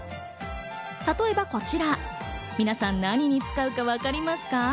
例えばこちら、皆さん、何に使うかわかりますか？